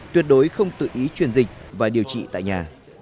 tuyệt đối không tự ý truyền dịch và điều trị tại nhà